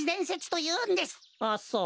あっそう。